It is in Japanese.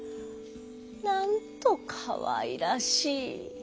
なんとかわいらしい！」。